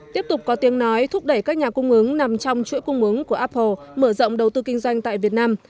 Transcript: tiếp tục có tiếng nói thúc đẩy các nhà cung ứng nằm trong chuỗi cung ứng của apple mở rộng đầu tư kinh doanh tại việt nam